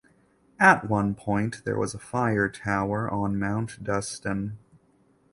At one point there was a fire tower on Mount Dustan.